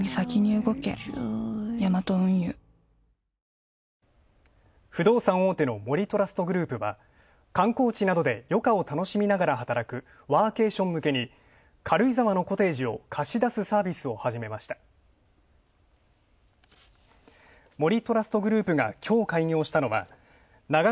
国内屈指のリゾート地不動産大手の森トラストグループは観光地などで余暇を楽しみながら働くワーケーション向けに軽井沢のコテージを貸し出すサービスをはじめました。